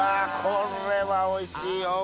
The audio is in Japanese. これはおいしいよ！